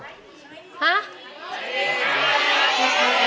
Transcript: ฮะ